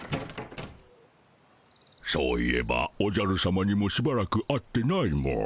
そういえばおじゃるさまにもしばらく会ってないモ。